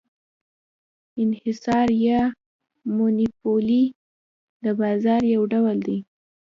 انحصار یا monopoly د بازار یو ډول دی.